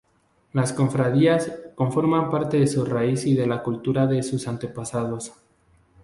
Las cofradías conforman parte de su raíz y de la cultura de sus antepasados.